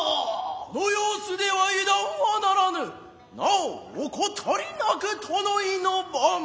この様子では油断はならぬなお怠りなく宿直の番。